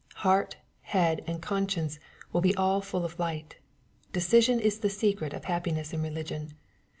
Heart, head, and conscience will all be full of light Decision is the secret of happi* ness in religion.